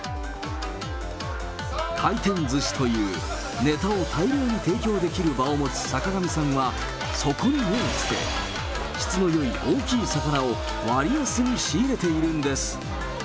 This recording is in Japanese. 回転ずしというネタを大量に提供できる場を持つ坂上さんは、そこに目をつけ、質のよい大きい魚を割安に仕入れているんです。